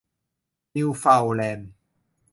นิวเฟาน์แลนด์